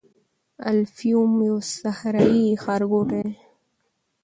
الفیوم یو صحرايي ښارګوټی دی.